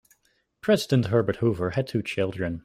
President Herbert Hoover had two children.